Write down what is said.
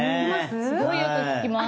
すごいよく聞きます。